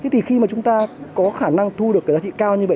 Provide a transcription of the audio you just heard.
thì khi mà chúng ta có khả năng thu được cái giá trị cao như vậy